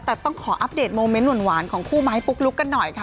แต่ต้องขออัปเดตโมเมนต์หวานของคู่ไม้ปุ๊กลุ๊กกันหน่อยค่ะ